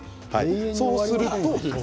そうすると。